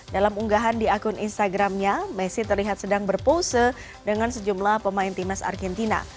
dalam unggahan di akun instagramnya messi terlihat sedang berpose dengan sejumlah pemain timnas argentina